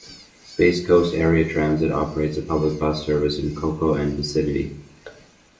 Space Coast Area Transit operates a public bus service in Cocoa and vicinity.